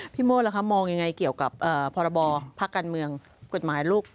พี่โมส์ล่ะครับมองอย่างไรเกี่ยวกับพบพักการเมืองกฎหมายลูก